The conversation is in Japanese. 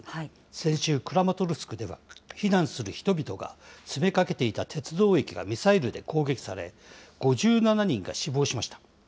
先週、クラマトルスクでは避難する人々が詰めかけていた鉄道駅がミサイルで攻撃され、５７人が死亡しました。